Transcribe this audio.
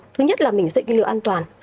thứ nhất là mình dịch liều an toàn